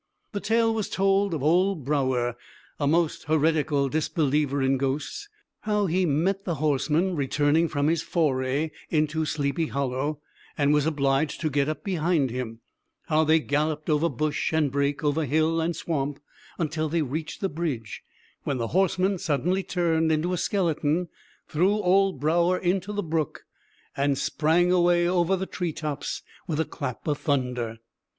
The tale was told of old Brouwer, a most heretical disbeliever in ghosts, how he met the horseman returning from his foray into Sleepy Hollow, and was obliged to get up behind him; how they galloped over bush and brake, over hill and swamp, until they reached the bridge; when the horseman suddenly turned into a skeleton, threw old Brouwer into the brook, and sprang away over the treetops with a clap of thunder.